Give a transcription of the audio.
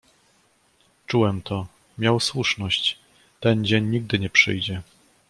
"Czułem to: miał słuszność; ten dzień nigdy nie przyjdzie."